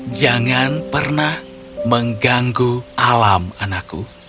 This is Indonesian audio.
jangan pernah mengganggu alam anakku